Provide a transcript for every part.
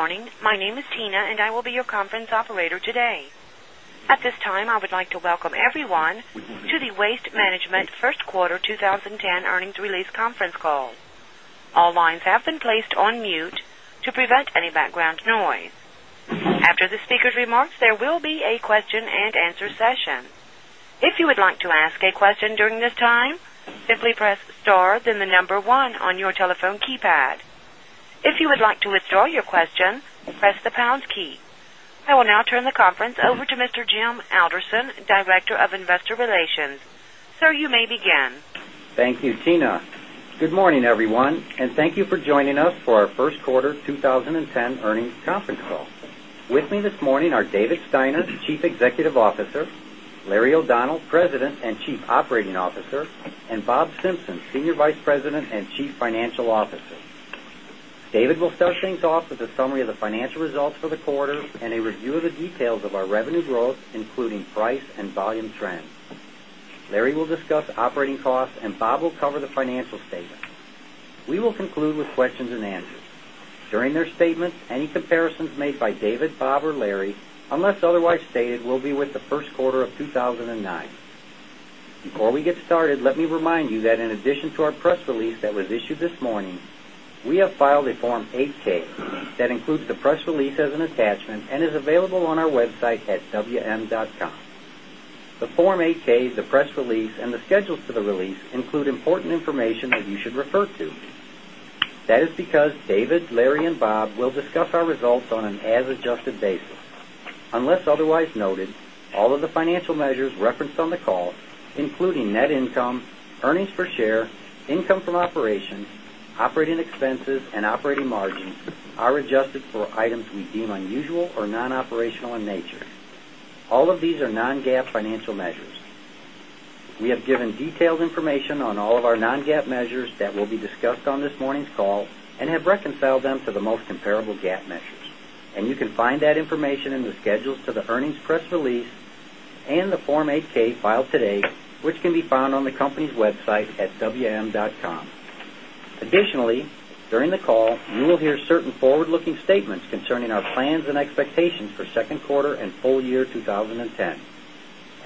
Good morning. My name is Tina, and I will be your conference operator today. At this time, I would like to welcome everyone to the Waste Management First Quarter 2010 Earnings Release Conference Call. I will now turn the conference over to Mr. Jim Alderson, Director of Investor Relations. Sir, you may begin. Thank you, Tina. Good morning, everyone, and thank you for joining us for our Q1 20 10 earnings conference call. With me this morning are David Steinas, Chief Executive Officer Larry O'Donnell, President and Chief Operating Officer and Bob Simpson, Senior Vice President and Chief Financial Officer. David will start things off with a summary of a summary of the financial results for the quarter and a review of the details of our revenue growth, including price and volume trends. Larry will discuss operating costs and Bob will cover the financial statements. We will conclude with questions and answers. During their statements, any comparisons made by David, Bob or Larry unless otherwise stated will be with the Q1 of 2019. Before we get started, me remind you that in addition to our press release that was issued this morning, we have filed a Form 8 ks that includes the press release as an attachment and is available on our website atwm.com. The Form 8 ks, the press release and the schedules for the release include important information that you should refer to. That is because David, Larry and Bob will discuss our results on an as adjusted basis. Unless otherwise noted, all of the financial measures referenced information on all of our non GAAP measures that will be discussed on this morning's call and have reconciled them to the most comparable GAAP measures. And you can find that information in the schedules to the earnings press release and the Form 8 ks filed today, which can be found on the company's website at wm.com. Additionally, during the call, you will hear certain forward looking statements concerning our plans and expectations for Q2 and full year 2010.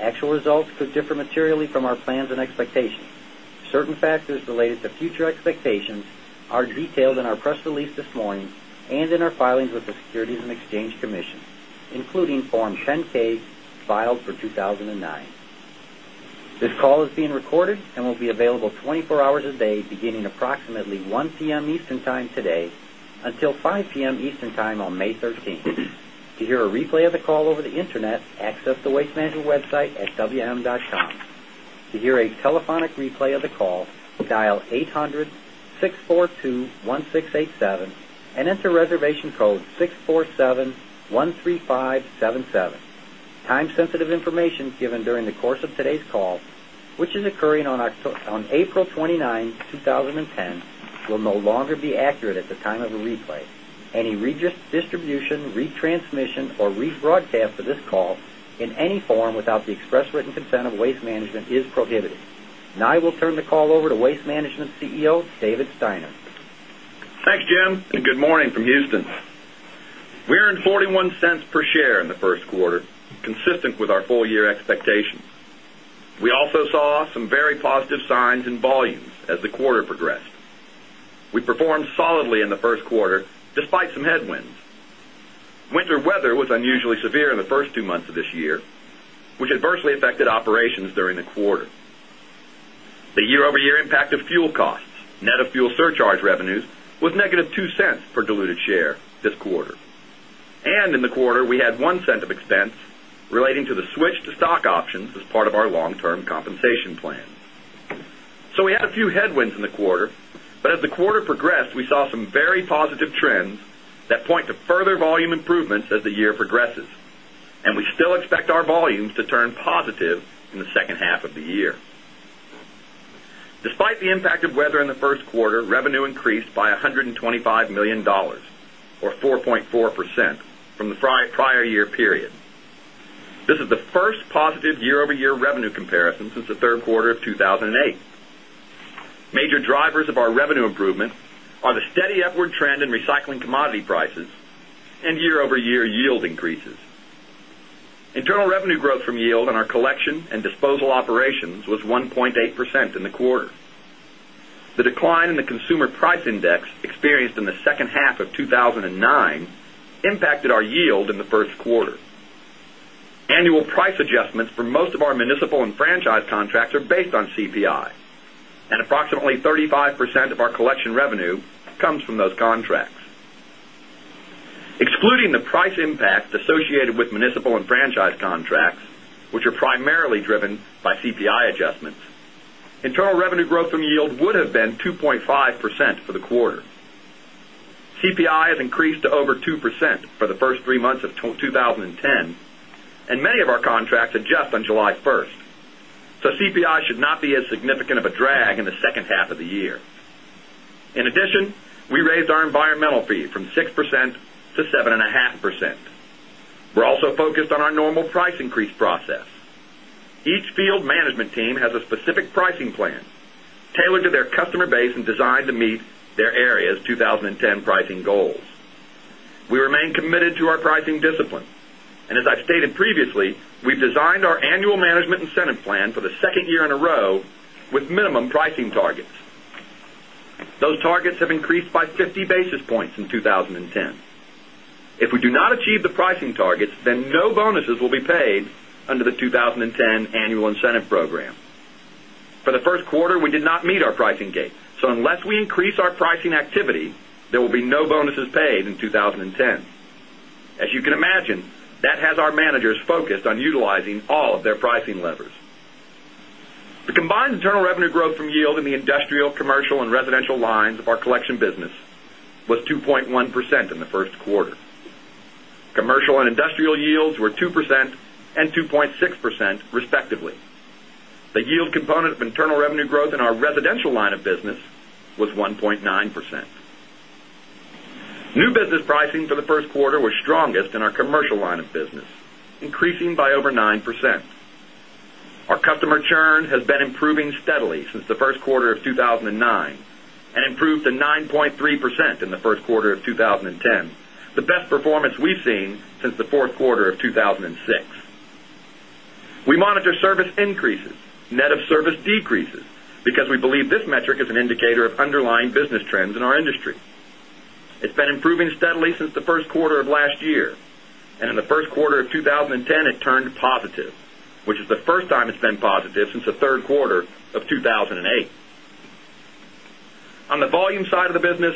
Actual results could differ materially from our plans and expectations. Certain factors related to future expectations are detailed in our press release this morning and our filings with the Securities and Exchange Commission, including Form 10 ks filed for 2,009. This call is being recorded and will be available 24 hours a day beginning approximately 1 p. M. Eastern Time today until 5 p. M. Eastern Time on May 13. To hear a replay of the call over the Internet, access the Waste Management website at wm.com. To hear a telephonic replay of the call, dial 800 642-1687 and enter reservation code 6,471,13,577. 577. Time sensitive information given during the course of today's call, which is occurring on April 29, 2010 will no longer be accurate at the time of the replay. Any redistribution, retransmission or rebroadcast of this call in any form without the expressed written consent of Waste Management is prohibited. Now I will turn the call over to Waste Management's CEO, David Steiner. Thanks, Jim, and good morning from Houston. We earned $0.41 per share in the Q1, consistent with our full year expectations. We also saw some very positive signs in volumes as the quarter progressed. We performed solidly in the Q1 despite some headwinds. Winter weather was unusually severe in the 1st 2 months of this year, which adversely affected operations during the quarter. The year over year impact of fuel surcharge revenues, was negative $0.02 per diluted share this quarter. And in the quarter, we had $0.01 of expense relating to the switch to stock options as part of our long term compensation plan. So we had a few headwinds in the quarter, but as the quarter progressed, saw some very positive trends that point to further volume improvements as the year progresses. And we still expect our volumes to turn positive in the second half of the year. Despite the impact of weather in the first quarter, revenue increased by $125,000,000 or 4.4 percent from the prior year period. This is the first positive year over year revenue comparison since the Q3 of 2,008. Major drivers of our revenue improvement are are the steady upward trend in recycling commodity prices and year over year yield increases. Internal revenue growth from yield on our collection and disposal operations was 1.8% in the quarter. The decline in the consumer price index experienced in the second half of two thousand and nine impacted our yield in the first quarter. Annual price adjustments for most of our municipal Excluding the price impact associated with municipal and franchise contracts, which are primarily driven by CPI adjustments, internal revenue growth from yield would have been 2.5% for the quarter. CPI has increased to over 2% for the 1st 3 months of 2010 and many of our contracts adjust on July 1. So CPI should not be as significant of a drag in the second half of the year. In addition, we raised our environmental fee from 6% to 7.5%. We're also focused on our normal price increase process. Each field management team has a specific pricing plan tailored to their customer base and designed to meet their area's 20 10 pricing goals. We remain committed to our pricing discipline. And as I've stated previously, we've designed our our by 50 basis points in 2010. If we do not achieve the pricing targets, then no bonuses will be paid under the 20 10 annual incentive program. For the Q1, we did not meet our pricing gate. So unless we increase our pricing activity, there will be no bonuses paid in 20 10. As you can imagine, that has our managers focused on utilizing all of their pricing levers. The combined internal revenue growth from yield in the industrial, commercial and residential lines of our collection business was 2.1% in the first quarter. Commercial and industrial yields were 2% and 2.6% respectively. The yield component of internal revenue growth in our residential line of business was 1.9%. New business pricing for the Q1 was strongest in our commercial line of business, increasing by over 9%. Our customer churn has been improving steadily since the Q1 of 2,009 and improved to 9.3% in the Q1 of 2010, the best performance we've seen since the Q4 of 2,006. We monitor service increases, net of service decreases, because year and in the Q1 of 2010 it turned positive, which is the first time it's been positive since the Q3 of 2,008. On the volume side of the business,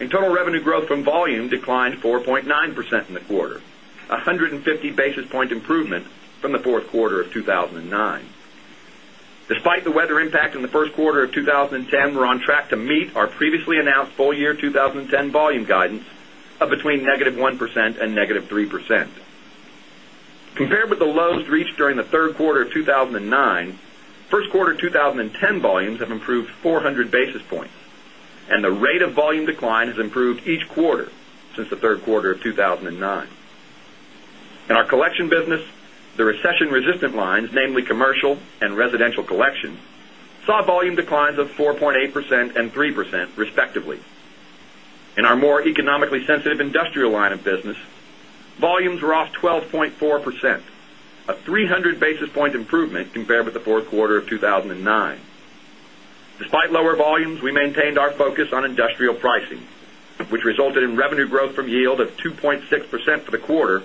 internal revenue growth from volume declined 4.9% in the quarter, a 150 basis point improvement from the Q4 of 2,009. Despite the weather impact in the Q1 of 2010, we're on track to meet our during the Q3 of 2009, Q1 2010 volumes have improved 400 basis points and the rate of volume decline has improved each quarter since Q3 of 2009. In our collection business, the recession resistant lines, namely commercial and residential collections, saw volume declines of 4.8% and 3% respectively. In our more economically sensitive industrial line of business, volumes were off 12.4%, a 300 basis point improvement compared with the Q4 of 2,009. Despite lower volumes, we maintained our focus on industrial pricing, which resulted in revenue growth from yield of 2.6% for the quarter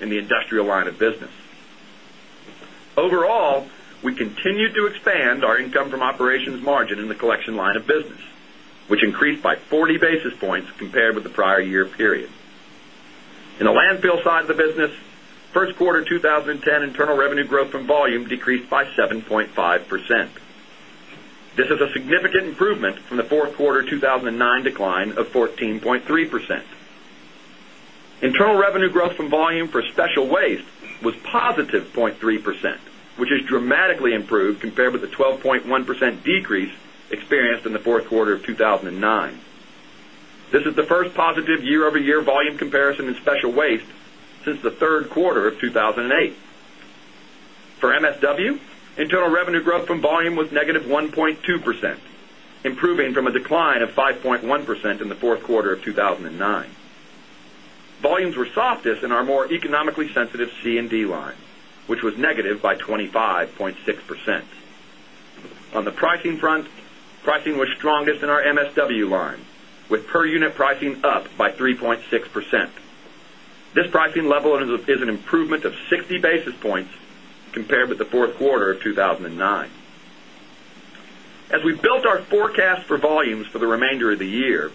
in the industrial line of business. Overall, we continued to expand our income from operations margin in the collection line of business, which increased by 40 basis points compared with the prior year period. In the landfill side of the business, 1st quarter 2,009 decline of 14.3%. Internal revenue growth from volume for special waste was positive 0.3 percent, which has dramatically improved compared with the 12.1% decrease experienced in the Q4 of 2,009. This is the first positive year over year volume comparison in special waste since the Q3 of 2,008. For MSW, internal revenue growth from volume was negative 1 0.2%, improving from a decline of 5.1% in the Q4 of 2,009. Volumes were softest in our more economically sensitive C and D line, which was negative by 25.6%. On the pricing front, pricing was strongest in our MSW line with per unit pricing up by 3.6%. This pricing level is an improvement of 60 basis points compared with the Q4 of 2,009. As we built our forecast for volumes for the remainder of the year,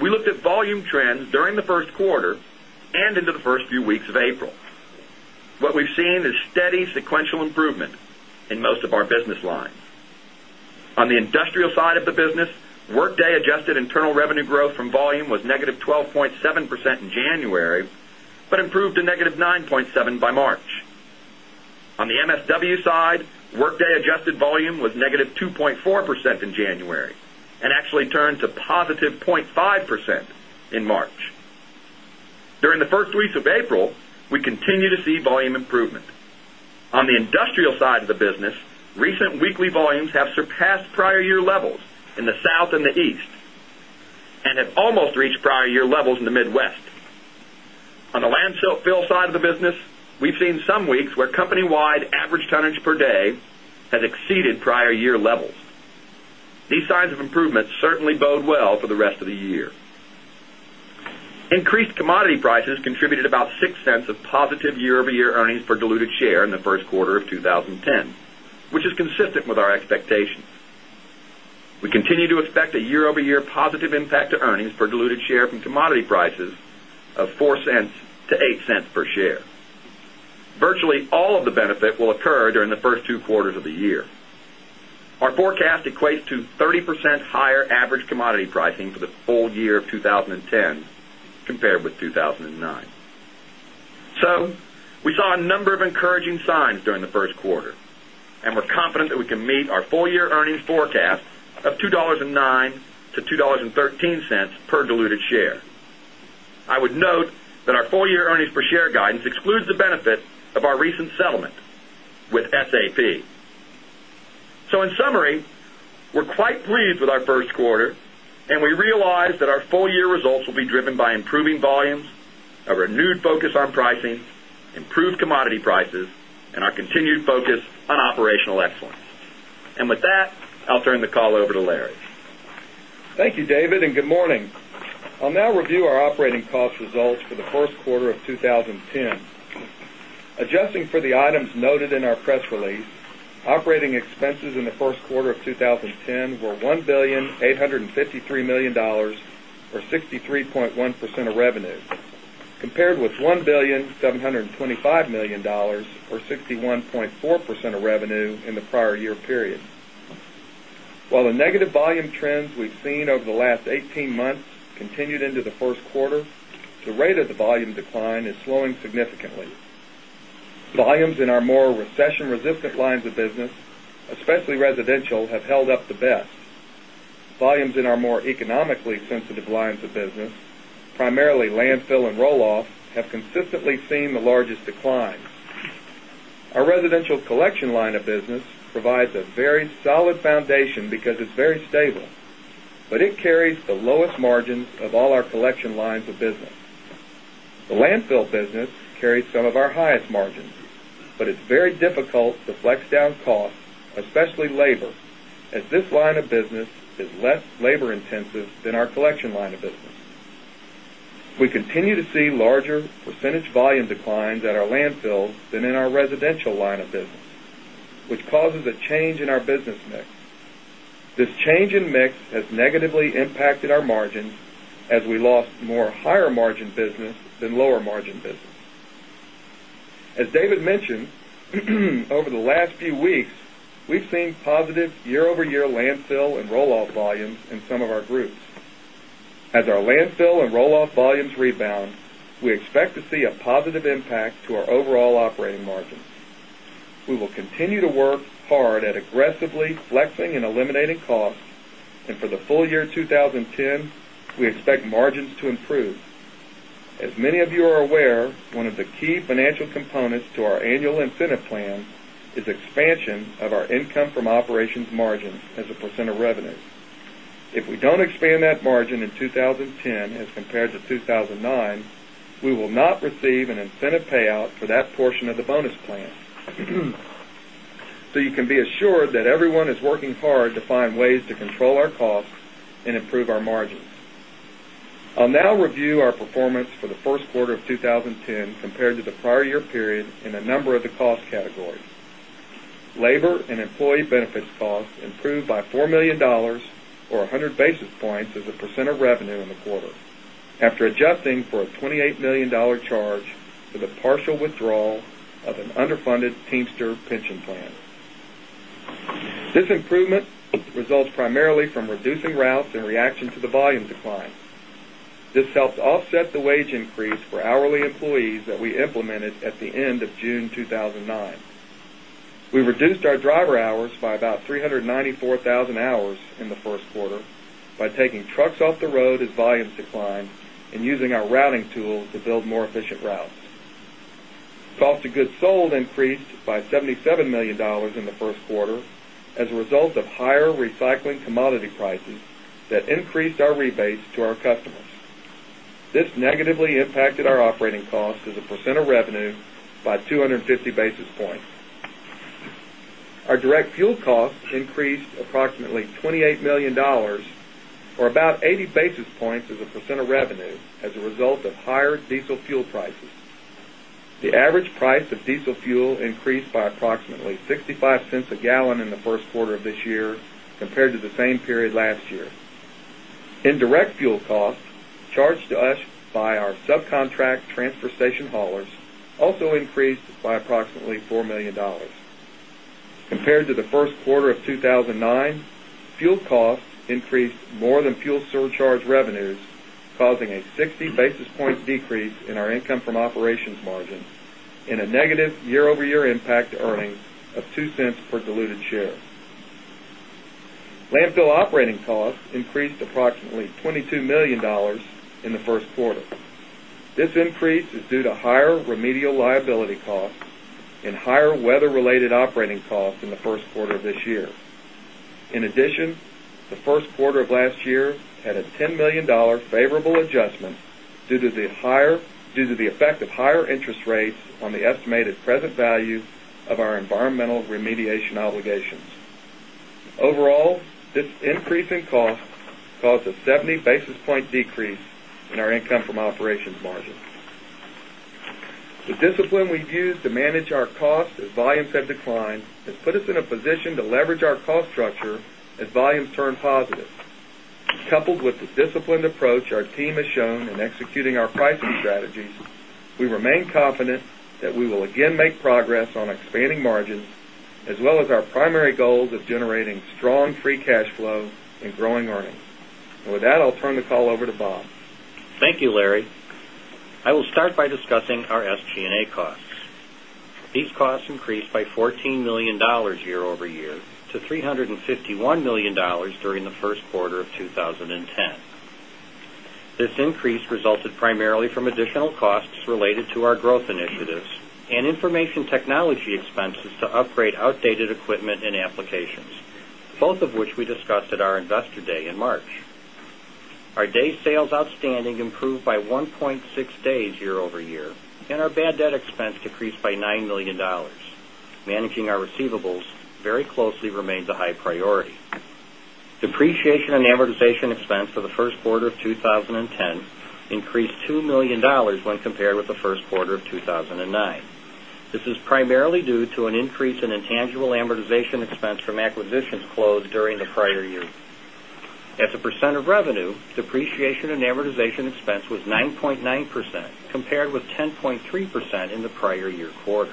we looked at volume trends during the Q1 and into the 1st few weeks of April. What we've seen is steady sequential improvement in most of our business lines. On the industrial side of the business, Workday adjusted internal revenue growth from volume was negative 12.7% in January, but improved to negative 9.7% by March. On the MSW side, Workday adjusted volume was negative 2.4% in January and actually turned continue to see volume improvement. On the industrial side of the business, recent weekly volumes have surpassed prior year levels in the South and the East and almost reached prior year levels in the Midwest. On the land sale fill side of the business, we've seen some weeks where company wide average tonnage per day has exceeded prior year levels. These signs of improvement certainly bode well for the rest of the year. Increased commodity prices contributed about $0.06 of positive year over year earnings per diluted share in the Q1 of 2010, which is consistent with our expectations. We continue to expect a year over year positive impact to earnings per diluted share from commodity prices of 0 point $4 to $0.08 per share. Virtually all of the benefit will occur during the 1st 2 quarters of the year. Our forecast equates to 30% higher average commodity pricing for the full year of 2010 compared with 2,009. So we saw a number of encouraging signs during the Q1 and we're confident that we can meet our full year earnings forecast of $2.09 to $2.13 per diluted share. I would note that our full year earnings per share guidance excludes the benefit of our recent settlement with SAP. So in summary, we're quite pleased with our Q1 and we realize that our full year results will be driven by improving volumes, a renewed focus on pricing, improved commodity prices and our continued focus on operational excellence. And with that, I'll turn the call over to Larry. Thank you, David, and good morning. I'll now review our operating quarter of 2010. Adjusting for the items noted in our press release, operating expenses in the Q1 of 2010 were $1,853,000,000 or 63.1 percent of revenue, compared with 1,000,000,007 $25,000,000,000 or 61.4 percent of revenue in the prior year period. While the negative volume trends we've seen over the last 18 months continued into the Q1, the rate of the volume decline is slowing significantly. Volumes in our more recession resistant lines of business, especially residential have held up the best. Volumes in our more economically sensitive lines of business, primarily provides a very solid foundation because it's very stable, but it carries the lowest margins of all our collection lines of business. The landfill business carries some of our highest margins, but it's very difficult to flex down costs, especially labor as this line of business is less labor intensive than our collection line of business. We continue to see larger percentage volume declines at our landfills than in our residential line of business, which causes a change in our business mix. This change in mix has negatively impacted our margins as we lost more higher margin business than lower margin business. Mentioned, over the last few weeks, we've seen positive year over year landfill and roll off volumes in some of our groups. As our landfill and roll off volumes rebound, we expect to see a positive impact to our overall operating margin. We will continue to work hard at aggressively flexing and eliminating costs and for the full year 2010, we expect margins to improve. As many of you are aware, one of the key financial components to our annual incentive plan is expansion of our income from operations margins as a percent of revenue. If we don't expand that margin in 2010 as compared to 2,009, we will not receive an incentive payout for that portion of the bonus plan. So you can be assured that everyone is working hard to find ways to control our costs a basis points as a percent of revenue in the quarter after adjusting for a $28,000,000 charge for the partial withdrawal of an funded Teamster Pension Plan. This improvement results primarily from reducing routes and reaction to the volume decline. This helped offset the wage increase for hourly employees that we implemented at the end of June 2000 about 394,000 hours in the Q1 by taking trucks off the road as volumes decline and using our routing tools to build more efficient routes. Cost of goods sold increased by $77,000,000 in the Q1 as a result of higher recycling commodity prices that increased our rebates to our customers. This negatively impacted our operating costs as a percent of revenue by 2 50 basis points. Our direct fuel costs increased approximately $28,000,000 or about 80 basis points as a percent of revenue as a result of higher diesel fuel prices. The average price of diesel fuel increased by approximately $0.65 a gallon in the Q1 of this year compared to the same period last year. In direct fuel costs charged to us by our subcontract transfer station haulers also increased by approximately 4,000,000 Compared to the Q1 of 2019, fuel costs increased more than fuel surcharge revenues causing a 60 basis points decrease in our income from operations margin and a negative year over year impact to earnings of 0 point increase is due to higher remedial liability costs and higher weather related operating costs in the Q1 of this year. In addition, the Q1 of last year had a $10,000,000 favorable adjustment due to the higher due to the effect of higher rates on the estimated present value of our environmental remediation obligations. Overall, this increase in cost caused a 70 basis point decrease in our income from operations margin. The discipline we've used to manage our costs as volumes have declined has put us in a position to leverage our cost structure as volumes turn positive. Coupled with the disciplined approach our team has shown in executing our pricing strategies, we remain confident that we will again make progress on expanding margins as well as our primary goals of generating strong free cash flow and growing earnings. And with that, I'll turn the call over to Bob. Thank you, Larry. I will start by discussing our SG and A costs. These costs increased by $14,000,000 year over year to 351,000,000 dollars during the Q1 of 2010. This increase resulted primarily from additional costs related to our growth initiatives information technology expenses to upgrade outdated equipment and applications, both of which we discussed at our Investor Day in March. Our Our $1,000,000 Managing our receivables very closely remains a high priority. Depreciation and amortization expense for the Q1 of 2010 increased $3,000,000 when compared with the Q1 of 2019. This is primarily due to an increase in intangible amortization expense from acquisitions closed during the prior year. As a percent of revenue, depreciation and amortization expense was 9.9% compared with 10 0.3% in the prior year quarter.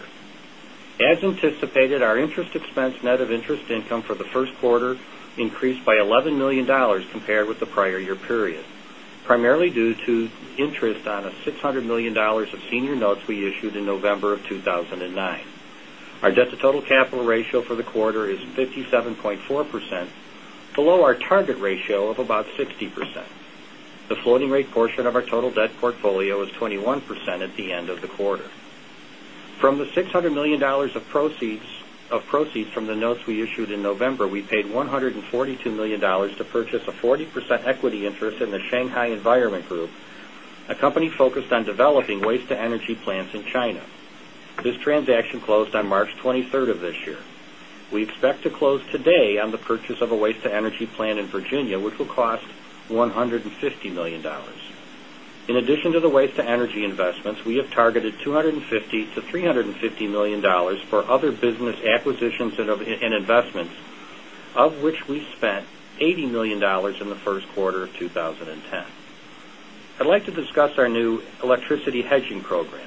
As anticipated, our interest expense net of interest income for the Q1 increased by 11,000,000 dollars compared with the prior year period, primarily due to interest on a $600,000,000 of senior notes we issued in November of 2,009. Our debt to total capital ratio for the quarter is 57.4 percent below our target ratio of about 60%. The floating rate portion of our total debt portfolio was 21% at the end of the quarter. From the $600,000,000 of proceeds from the notes we issued in November, we paid $142,000,000 to purchase a 40 percent equity interest in the Shanghai Environment Group, a company focused on developing waste to energy plants in China. This transaction closed on March 23 this year. We expect to close today on the purchase of a waste to energy plant in Virginia, which will cost $150,000,000 In addition to the waste to energy investments, we have targeted $250,000,000 to 3 $50,000,000 for other business acquisitions and investments, of which we spent $80,000,000 in the Q1 of 2010. I'd like to discuss our new electricity hedging program.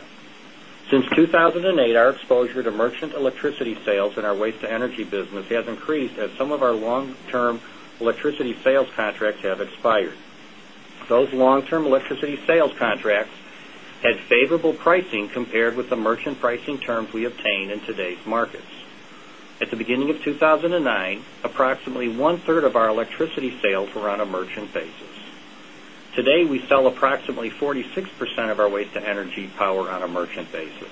Since 2,008, our 2,000 on a merchant basis. Today, we sell approximately 46% of our waste to energy power on a merchant basis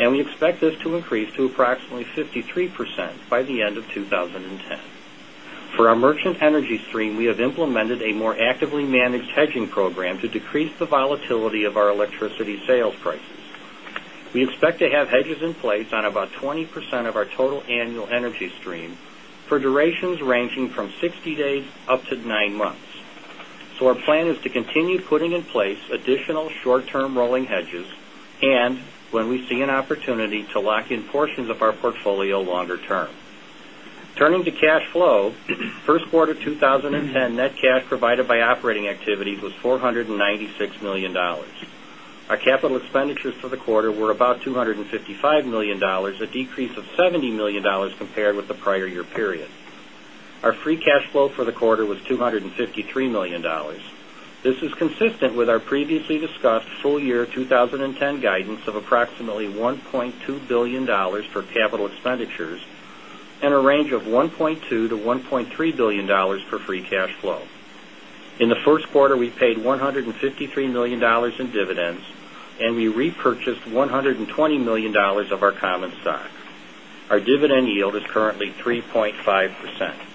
and we expect this to increase to approximately 53% by the end of 2010. For our merchant energy stream, we have implemented a more actively managed hedging program to decrease the volatility of our electricity sales prices. We expect to have hedges in place on about 20% of our total annual energy stream for durations ranging from 60 days up to 9 months. So our plan is to continue putting in place additional short term rolling hedges and when we see an opportunity to lock in portions of our portfolio longer term. Turning to cash flow. Q1 2010 net cash provided by operating activities was 496 $1,000,000 Our capital expenditures for the quarter were about $255,000,000 a decrease of $70,000,000 compared with the prior year period. Our free cash flow for the quarter was $253,000,000 This is consistent with our previously discussed full year 20 10 guidance of approximately $1,200,000,000 for capital expenditures and a range of $1,200,000,000 to $1,300,000,000 for free cash flow. In the Q1, we paid $153,000,000 in dividends and we repurchased 100 $120,000,000 of our common stock. Our dividend yield is currently 3.5%. The good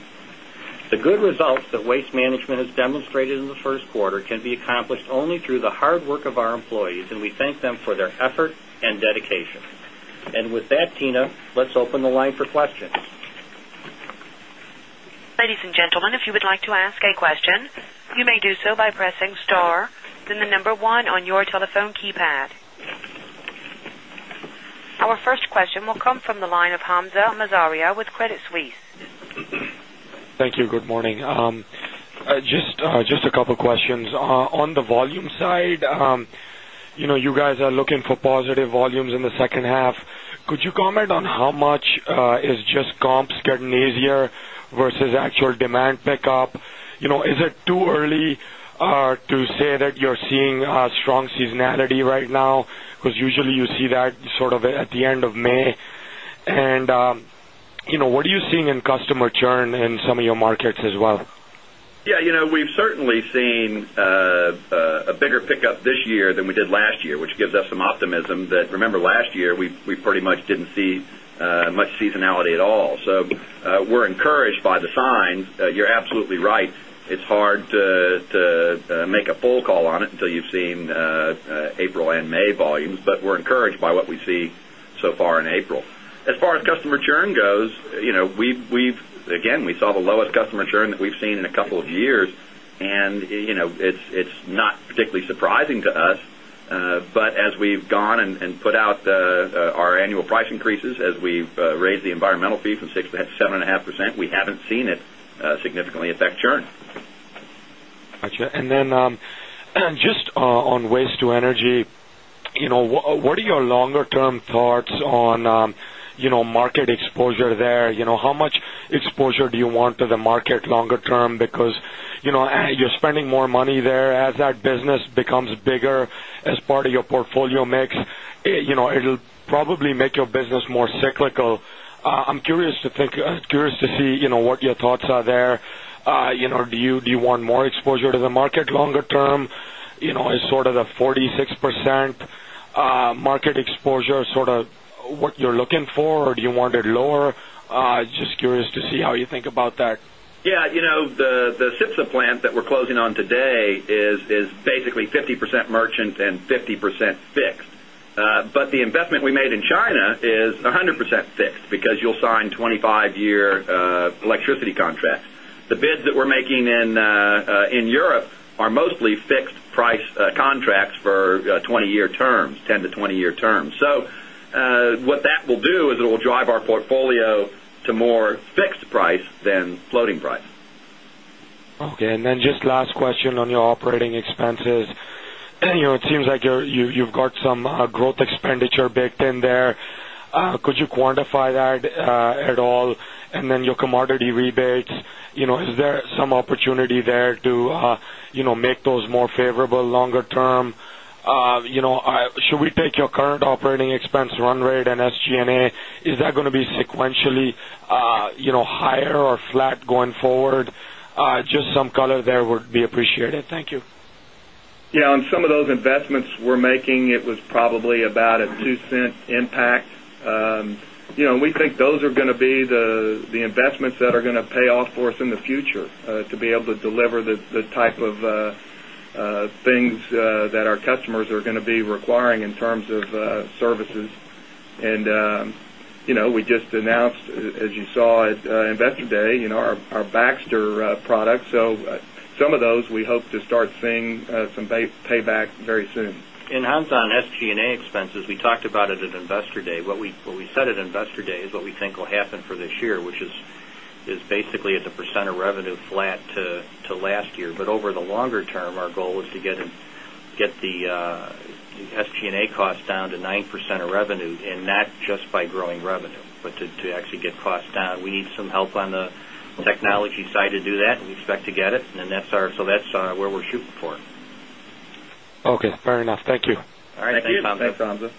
The good results that Waste Management has demonstrated in the Q1 can be accomplished only through the hard work of our employees and we thank them for their effort and Our first question will come from the line of Hamzah Mazaria with Credit Suisse. Thank you. Good morning. Just a couple of questions. On the volume side, you guys are looking for positive volumes in the second half. Could you comment on how much is just comps getting easier versus actual demand pickup? Is it too early to say that you're seeing strong seasonality right now? Because usually you see that sort of at the end of May? And what are you seeing in customer churn in some of your markets as well? Yes. We've certainly seen a bigger pickup this year than we did last year, which gives us some optimism that remember last year we pretty much didn't see much seasonality at all. So we're encouraged by the signs. You're absolutely right. It's hard to make a full call on it until you've seen April May volumes, but we're encouraged by what we see so far in April. As far as customer churn goes, we've again, we saw the lowest customer churn that we've seen in a couple of years and it's not particularly surprising to us, but as we've gone and put out our annual price increases as we've raised the environmental fee from 6% to 7.5%. We haven't seen it significantly affect churn. Got you. And then the market longer term? Because you're spending more money there, to the market longer term because you're spending more money there as that business becomes bigger as part of your what your thoughts are there. Do you want more exposure to the what your thoughts are there. Do you want more exposure to the market longer term? Is sort of the 40 6% market exposure sort of what you're looking for? Or do you want it lower? Just curious to see how you think about that. Yes. The Sipsa plant that we're closing on today is basically 50% merchant and 50% fixed. But the investment we made in China is 100% fixed because you'll sign 25 year electricity contracts. The bids that we're making in Europe are mostly fixed price contracts for 20 year terms, 10 to 20 year terms. So what that will is it will drive our portfolio to more fixed price than floating price. Okay. And then just last question on your operating expenses. It seems like you've got some growth expenditure baked in there. Could you quantify that at all? And then your commodity rebates, is there some opportunity there to make those more favorable longer term? Should we take your current operating expense run rate and SG and A? Is that going to be sequentially higher or flat going forward? Just some color there would be appreciated. Thank you. Yes. On some of those investments we're making, it was probably about a $0.02 impact. We think those are going to be the investments that are going to pay off for us in the future to be able to deliver the type of things that our customers are going to be requiring in terms of services. And we just announced, as you saw at Investor Day, our Baxter products. So some of those we hope to start seeing some payback very soon. And Hans, on SG and A expenses, we talked about it at Investor Day. What we said at Investor Day is what we think will happen for this year, which is basically as a percent of revenue flat to last year. But over the longer term, our goal is to get the SG and A cost down to 9% of revenue and just by growing revenue, but to actually get cost down. We need some help on the technology side to do that and we expect to get it. And so that's where we're shooting for. Okay. Fair enough. Thank you. All right. Thanks, Tom. Thanks, Tom.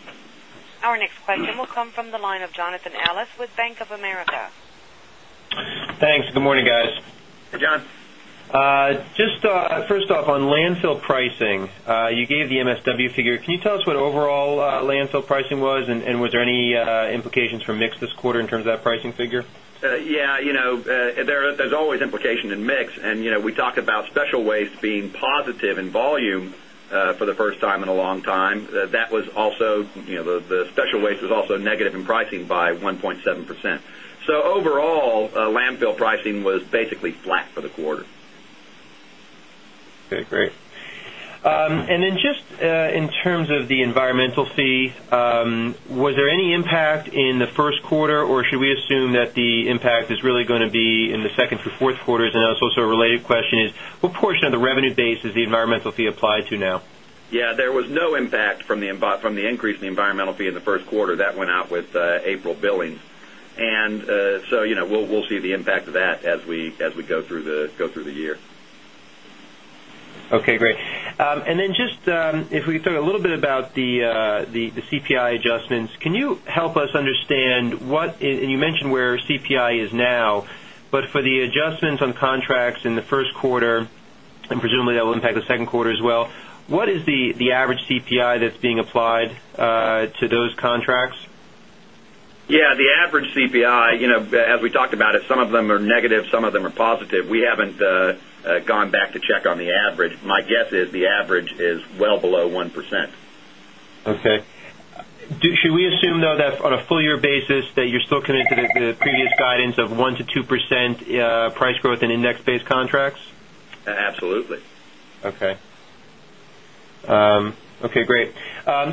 Our next question will come from the line of Jonathan Ellis with Bank of America. Thanks. Good morning, guys. Hi, John. Just first off on landfill pricing, you gave the MSW figure. Can you tell us what overall landfill pricing was? And was there any implications for mix this quarter in terms of that pricing figure? Yes. There's always implication in mix and we talked about special waste being positive in volume for the first time in a long time. That was also the special waste was also negative in pricing by 1.7%. So overall, landfill pricing was basically flat for the quarter. Okay, And then just in terms of the environmental fee, was there any impact in the quarter or should we assume that the impact is really going to be in the second through 4th quarters? And also a related question is what portion of the revenue base is the environmental fee applied to now? Yes, there was no impact from the increase in the environmental fee in the Q1 that went out with April billings. And so we'll see the impact of that as we go through the year. Okay, great. And then just if we talk a little bit about the CPI adjustments, can you help us understand what and you mentioned where CPI is now, but for the adjustments on contracts in the Q1 and presumably that will impact the second quarter as well, what is the average CPI that's being applied to those contracts? Yes, the average CPI, as we talked about it, some of them are negative, some of them are positive. We haven't gone back to check on the average. My guess is the average is well below 1%. Okay. Should we assume though that on a full year basis that you're still committed to the previous guidance of 1% to 2 percent price growth in index based contracts? Absolutely. Okay, great.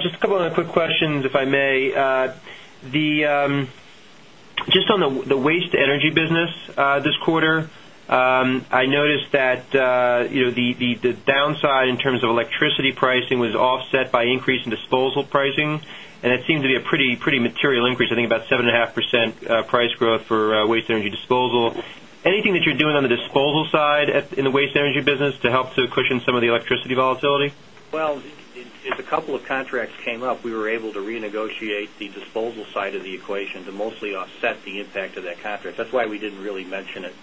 Just couple of quick questions, if I may. Just on the waste energy business this quarter, I noticed that the downside in terms of electricity pricing was offset by increase in disposal pricing. And it seemed to be a pretty material increase, I think about 7.5% price growth for waste energy disposal. Anything that you're doing on the disposal side in the waste energy business to help to cushion some of the electricity volatility? Well, if a couple of contracts came up, we were able to renegotiate the disposal side of the equation to mostly offset the impact of that contract. That's why we didn't really mention it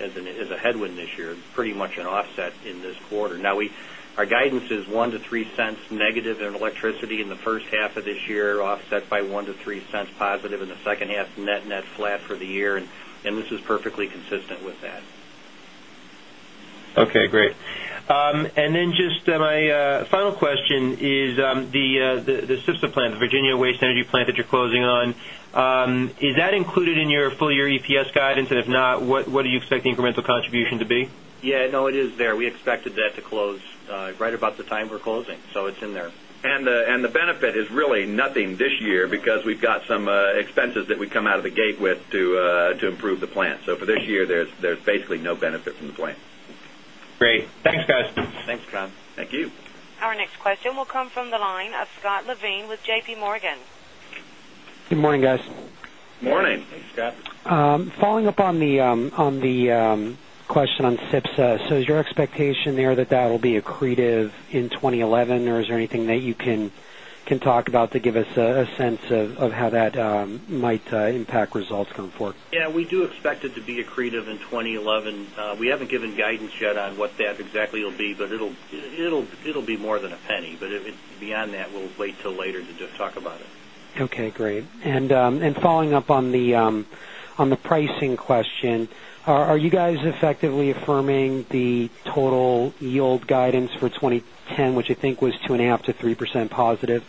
as a headwind this year. It's pretty much an offset in this quarter. Now we our guidance is 0 point 0 $1 to $0.03 negative in electricity in the first half of this year offset by 0 point 0 $1 to 0 point 0 $3 positive in the second half, net net flat for the year and this is perfectly consistent with that. Okay, great. Energy plant that you're closing on. Is that included in your really nothing this year because we really nothing this year because we've got some expenses that we come out of the gate with to improve the plant. So for this year, there's basically no benefit from the plant. Great. Thanks guys. Thanks, John. Thank you. Our next question will come from the line of Scott Levine with JPMorgan. Following up on the question on Cipsa, so is your expectation there that that will be accretive in 2011 or is there anything that you can talk about to give us a sense of how that might impact results going forward? Yes, we do expect it to be accretive in 2011. We haven't given guidance yet on what that exactly will be, but it'll be more than a penny. But beyond that, we'll wait till later to just talk about it. Okay, great. And following up on the pricing question, are you guys effectively affirming the 10, which I think was 2.5% to 3% positive?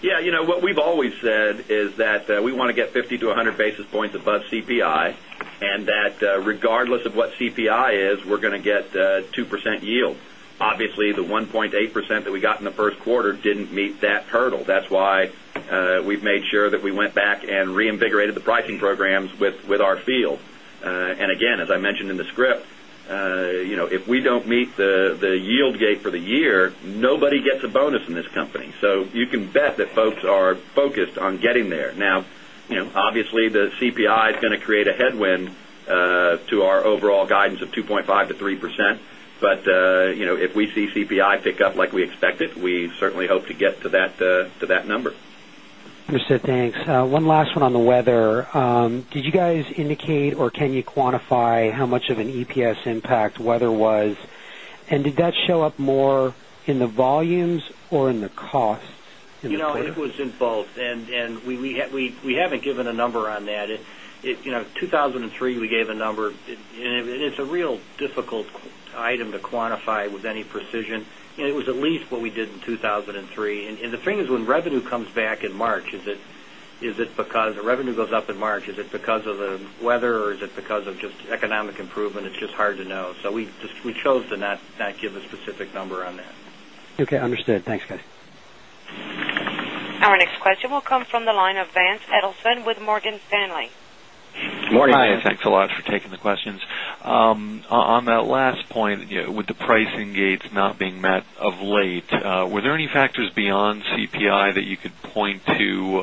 Yes. What we've always said is that we want to get 50 basis points to 100 basis points above CPI and that regardless of what CPI is, we're going to get 2% yield. Obviously, the 1.8% that we got in the Q1 didn't meet that hurdle. That's why we've made sure that we went back and reinvigorated the pricing programs with our field. And again, as I mentioned in the script, if we don't meet the yield gate for the year, nobody gets a bonus in this company. So you can bet that folks are focused on getting there. Now obviously, the CPI is going to create a headwind to our overall guidance of 2.5% to 3%. But if we see CPI pick up like we expect it, we certainly hope to get to that number. Understood. Thanks. One last one on the weather. Did you guys indicate or can you quantify how much of an EPS impact weather was? And did that show up more in the volumes or in the cost? It was in both. And we haven't given a number on that. 2,003 we gave a number and it's a real difficult item to quantify with any precision. It was at least what we did in 2,003. And the thing is when revenue comes back in March, is it because revenue goes up in March, is it because of the weather? Or is it because of just economic improvement? It's just hard to know. So we chose to not give a specific number on that. Okay, understood. Thanks guys. Our next question will come from the line of Vance Edelson with Morgan Stanley. Good morning. Hi. Thanks a lot for taking the questions. On that last point, with the pricing gates not being met of late, were there any factors beyond CPI that you could point to?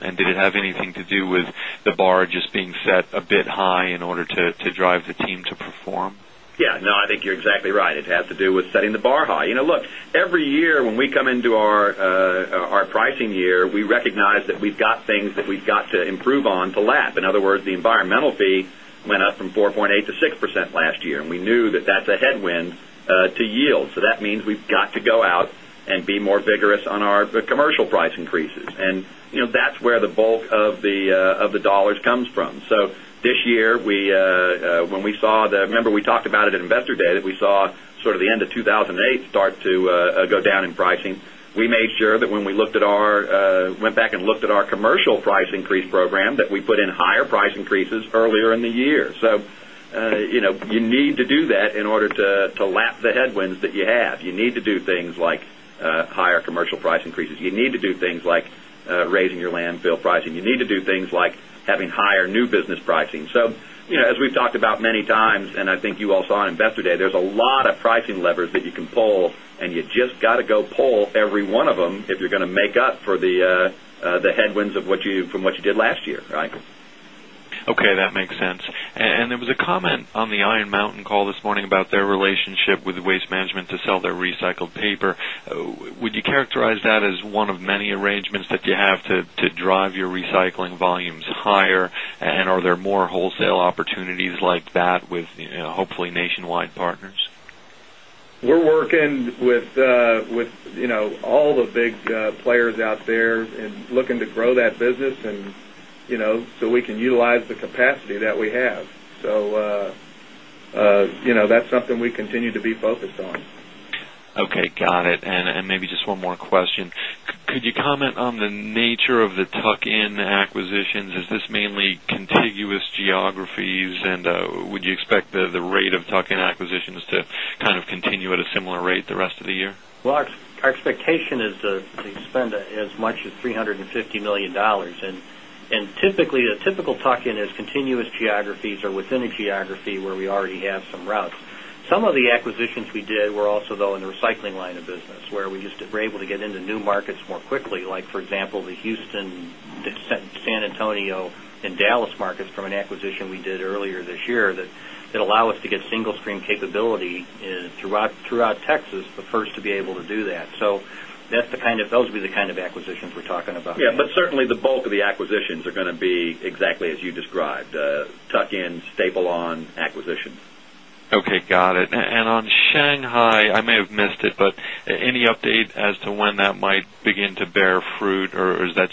And did it have anything to do with the bar just being set a bit high in order to drive the team to perform? Yes. No, I think you're exactly right. It has to do with setting the bar high. Look, every year when we come into our pricing year, we recognize that we've got things that we've got to improve on to lap. In other words, the environmental fee went up from 4.8% to 6% last and we knew that that's a headwind to yield. So that means we've got to go out and be more vigorous on our commercial price increases. And that's where the bulk of the dollars comes from. So this year, we when we saw the remember we talked about it at Investor Day that we saw sort of the end of 2,008 start to go down in pricing. We made sure that when we looked at our went back and looked at our commercial price increase program that we put in higher price increases earlier in the year. So you need to do that in order to lap the headwinds that you have. You need to do things like higher commercial price increases. You need to do things like raising your landfill pricing. You need to do things like having higher new business pricing. So as we've talked about many times and I think you all saw on Investor Day, there's a lot pricing levers that you can pull and you just got to go pull every one of them if you're going to make up for the headwinds of what you did last year, right? Okay. That makes sense. And there was a comment on the Iron Mountain call this morning about their relationship with to sell their recycled paper. Would you characterize that as one of many arrangements that you have to drive your recycling volumes higher? And are there more wholesale opportunities like that with hopefully nationwide partners? We're working with all the big players out there and looking to grow that business and so we can utilize the capacity that we have. So that's something we continue to be focused on. And maybe just one more question. Could you comment on the nature of the tuck in acquisitions? Is this mainly contiguous geographies? And would you expect the rate of tuck in acquisitions to kind of continue at a similar rate the rest of the year? Well, our expectation is to spend as much as $350,000,000 And typically, a typical tuck in is continuous geographies or within a geography where we already have some routes. Some of the acquisitions we did were also though in the recycling line of business, where we used to we're able to get into new markets more quickly like for example the Houston, San Antonio and Dallas markets from an acquisition we did earlier this year that allow us to get single stream capability throughout Texas, the first to be able to do that. So that's the kind of those will be the kind of acquisitions we're talking about. Yes. But certainly the bulk of the acquisitions are going to be exactly as you described, tuck in, staple on acquisition. Okay. It. And on Shanghai, I may have missed it, but any update as to when that might begin to bear fruit or is that to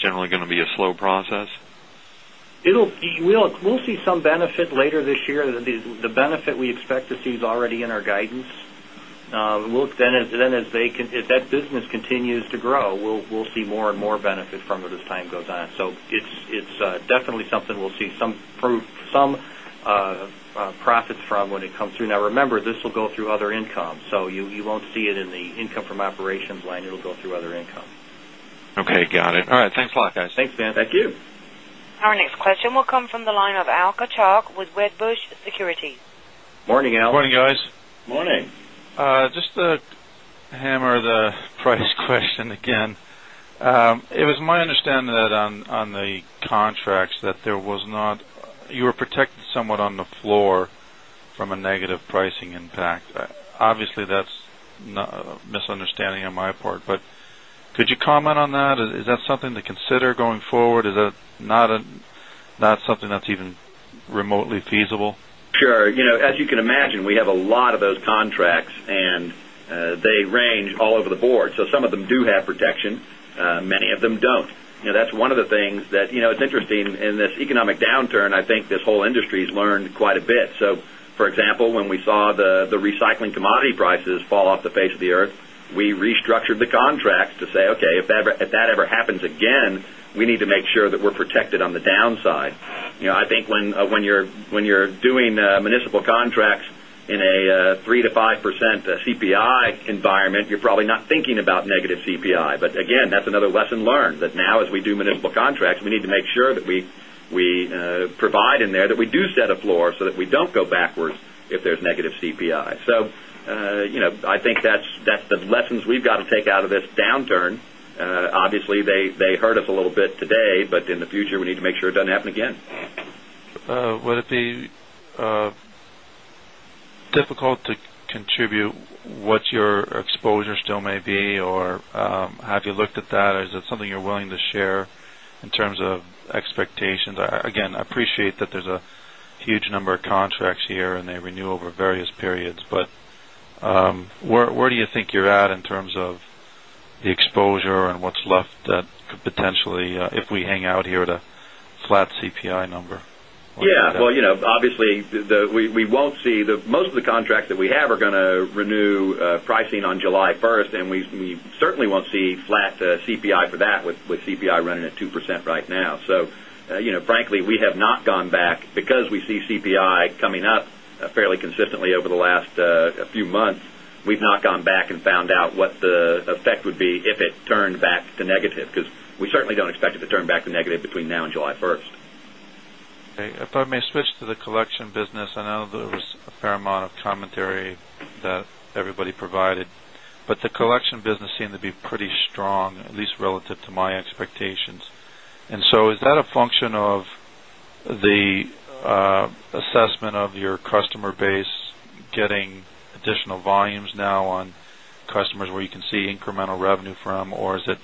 see is already in our guidance. We'll look then as they can if that business continues to grow, we'll see more and more benefit from it as time goes on. So it's definitely something we'll see some profits from when it comes through. Now remember, this will go through income. So you won't see it in the income from operations line, it will go through other income. Okay, got it. All right. Thanks a lot guys. Thanks, Dan. Thank you. Our next question will come from the line of Alker Chalk with Wedbush Securities. Good morning, Alker. Good morning, guys. Good morning. Just to hammer the price question again. It was my understanding that on the contracts that there was not you were protected somewhat on the floor from a negative pricing impact. Obviously, that's a misunderstanding on my part, but could you comment on that? Is that something to consider do contracts and they range all over the board. So some of them do have protection, many of them don't. That's one of the things that it's interesting in this economic downturn, I think this whole industry has learned quite a bit. So for example, when we saw the recycling commodity prices fall off the face of the earth, we restructured the contracts to say, okay, if that ever happens again, we need to make sure that we're protected on the downside. I think when you're doing municipal contracts in a 3% to 5% CPI environment, you're probably not thinking about negative CPI. But again, that's another lesson learned that now as we do municipal contracts, we need to make sure that we provide in there that we do set a floor so that we don't go backwards if there's negative CPI. So I think that's the lessons we've got to take out of this downturn. Obviously, they hurt us a little bit today, but in the future, we need to make sure it doesn't happen again. Would it be difficult to contribute what your exposure still may be or have you looked at that? Is it something you're willing to share in terms of expectations? Again, I appreciate that there's a think you're at in terms of the exposure and what's left that could potentially if we hang out here at a flat CPI number? Yes. Well, obviously, we won't see the most of the contracts that we have are going to renew pricing on July 1, and we certainly won't see flat CPI for that with CPI running at 2% right now. Negative between now and July 1. Okay. If I may switch to the back to negative between now July 1. Okay. If I may switch to the collection business, I know there was a fair amount of commentary that everybody provided, but the collection business seemed to be pretty strong, at least relative to my expectations. And so, is that a function of the assessment of your customer base getting additional volumes now on customers where you can see incremental revenue from or is it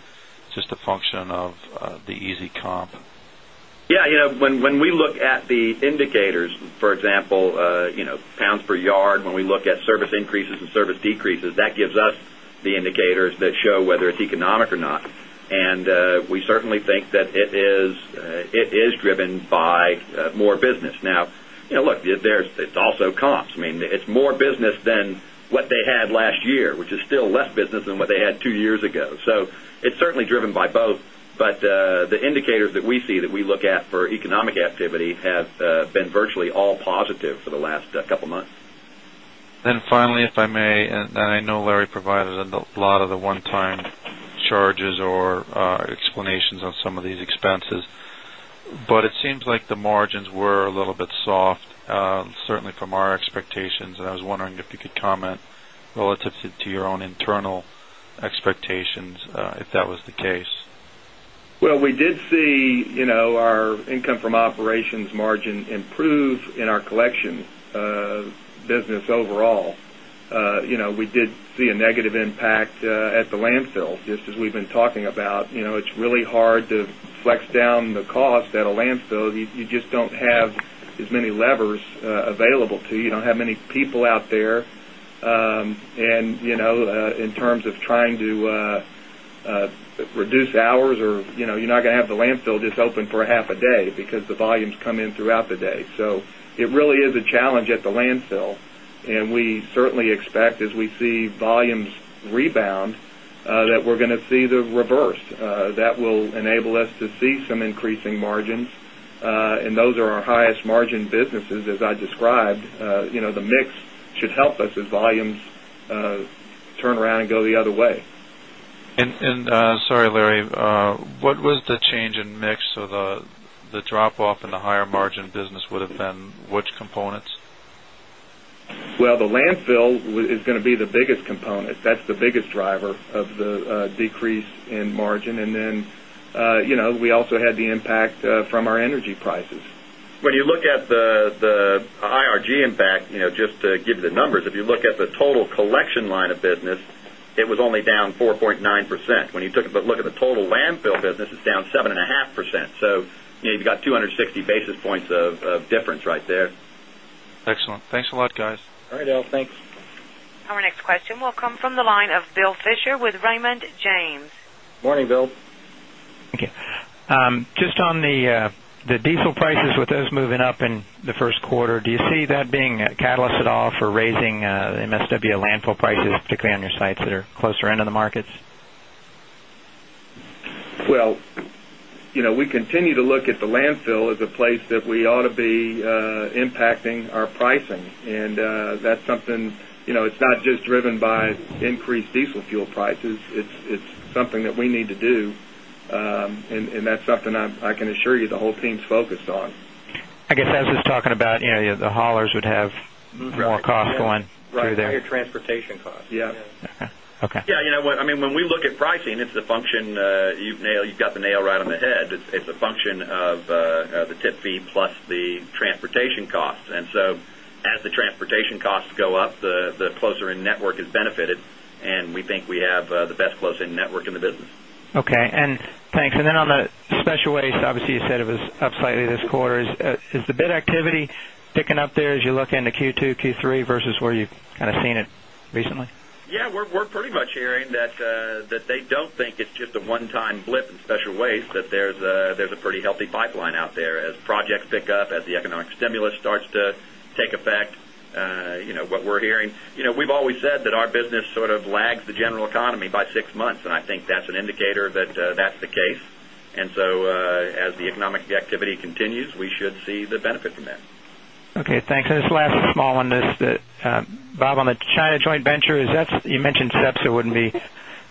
just a function of the easy comp? Yes. When we look at the indicators, for example, pounds per yard, when we look at service increases and service decreases, that gives us the indicators that show whether it's economic or not. And we certainly think that it is driven by more business. Now look, there's it's also comps. I mean, it's more business than what had last year, which is still less business than what they had 2 years ago. So it's certainly driven by both. But the indicators that we see that we look at for economic activity have been virtually all positive for the last couple of months. And finally, if I may, and I know Larry provided a lot of the one time charges or explanations on some of these expenses, but it seems like the the margins were a little bit soft, certainly from our expectations. And I was wondering if you could comment relative to your own internal expectations, if that was the case? Well, we did see our income from operations margin improve in our collection business overall. We did see a negative impact at the landfills just as we've been talking about. It's really hard to flex down the cost at a landfill. You just don't have as many levers available to you. You don't have many people out there. And in terms of trying to reduce hours or you're not going to have the landfill just open for half a day, because the volumes come in throughout the day. So it really is a challenge at the landfill and we certainly expect as we see volumes rebound that we're going to see the reverse. That will enable us to see some increasing margins and those are our highest margin businesses as I described. The mix should help us as volumes turn around and go the other way. And sorry, Larry, what was change in mix of the drop off in the higher margin business would have been which components? Well, the landfill is going to be the biggest component. That's the biggest driver of the decrease in margin. And then we also had the impact from our energy prices. When you look at the IRG impact, just to give you the numbers, if you look at the total collection line of business, it was only down 4.9%. When you look at the total landfill business, it's down 7.5%. So you've got 2 60 basis points of difference right there. Our next question will come from the line of Bill Fisher with Raymond James. Good morning, Bill. Thank you. Just on the diesel prices with those moving up in the Q1, do you see that being a catalyst at all for raising MSW landfill prices, particularly on your sites that are closer into the markets? Well, we continue to look at the landfill as a place that we ought to be impacting our pricing. And that's something not just driven by increased diesel fuel prices. It's something that we need to do. And that's something I can assure you the whole team is focused I guess, I was just talking about the haulers would have more cost going through there. Right, your transportation costs. Yes. Okay. Yes. I mean, when we look at pricing, it's a function you've got the nail right on the head. It's a function of the tip fee plus the transportation costs. And so as the transportation costs go up, the closer in network is benefited and we think we have the best close in network in the business. Okay. Thanks. And then on the special waste, obviously, you said it was up slightly this quarter. Is the bid activity picking up there as you look into Q2, Q3 versus where you've of seen it recently? Yes, we're pretty much hearing that they don't think it's just a one time blip in special waste that there's a pretty healthy pipeline out there as projects pick up, as the economic stimulus starts to take effect, what we're hearing. We've always said that our business sort of lags the general economy by 6 months and I think that's an indicator that that's the case. And so as the economic activity China joint venture is that you mentioned SEPSA wouldn't be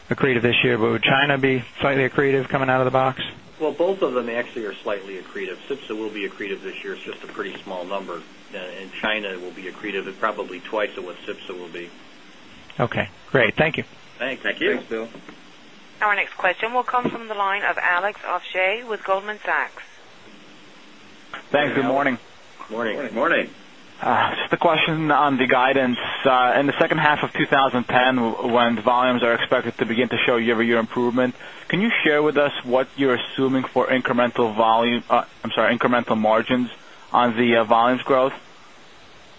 accretive this year, but would China be slightly accretive coming out of the box? Well, both of them, this year, but would China be slightly accretive coming out of the box? Well, both of them actually are slightly accretive. Cipso will be accretive this year. It's just a pretty small number. And China will be accretive at probably twice of what Cipso will be. Okay, great. Thank you. Thanks. Thank you. Thanks, Phil. Our next question will come from the line of Alex Afshay with Goldman Sachs. Thanks. Good morning. Good morning. Good morning. Good morning. Just a question on the guidance. In the second half of twenty ten when volumes are expected to begin to show year over year improvement, can you share with us what you're assuming for incremental margins on the volumes growth?